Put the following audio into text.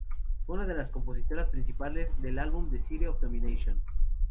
Fue una de las compositoras principales del álbum "Desire Of Damnation".